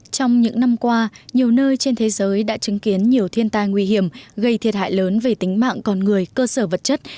trong những năm qua nhiều nơi trên thế giới đã chứng kiến nhiều thiên tai nguy hiểm gây thiệt hại lớn về tính mạng con người cơ sở vật chất